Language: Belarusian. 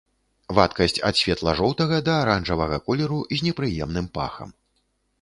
Вадкасць ад светла-жоўтага да аранжавага колеру з непрыемным пахам.